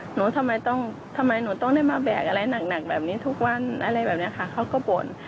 หนูทำไมต้องทำไมหนูต้องได้มาแบกอะไรหนักแบบนี้ทุกวันอะไรแบบนี้ค่ะเขาก็บ่น